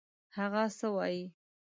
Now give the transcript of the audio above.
هغه څه وايي.